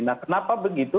nah kenapa begitu